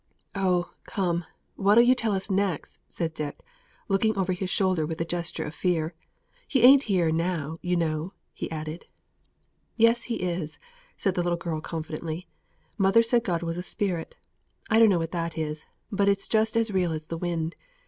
"Oh, come! what'll you tell us next?" said Dick, looking over his shoulder with a gesture of fear. "He ain't here now, you know," he added. "Yes he is," said the little girl, confidently; "mother said God was a Spirit. I dunno what that is, but it's just as real as the wind.